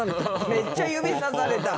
めっちゃ指さされた。